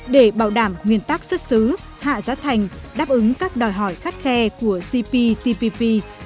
để bảo đảm nguyên tắc xuất xứ hạ giá thành đáp ứng các đòi hỏi khắt khe của cptpp